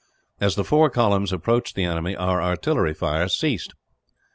As the four columns approached the enemy, our artillery fire ceased.